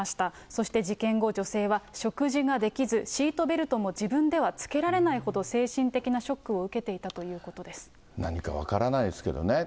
そして事件後、女性は食事ができず、シートベルトも自分では着けられないほど精神的なショックを受け何か分からないですけどね。